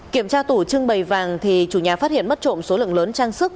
kiểm tra tủ trưng bày vàng thì chủ nhà phát hiện mất trộm số lượng lớn trang sức